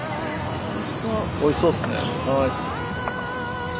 おいしそうっすね。